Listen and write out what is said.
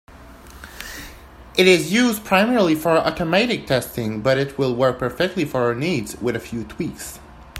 It is used primarily for automated testing, but it will work perfectly for our needs, with a few tweaks.